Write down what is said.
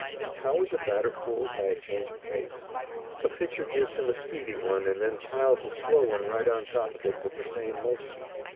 How is a batter fooled by a change of pace? A pitcher gives him a speedy one and then piles a slow one right on top of it with the same motion.